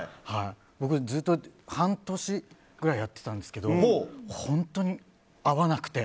僕、ずっと半年ぐらいやってたんですけど本当に、合わなくて。